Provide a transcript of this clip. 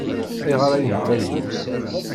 Ayɣer ay nettargu?